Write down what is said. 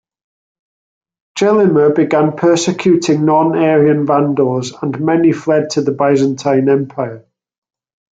Gelimer began persecuting non Arian Vandals, and many fled to the Byzantine Empire.